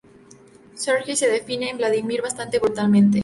Sergei se defiende de Vladimir bastante brutalmente.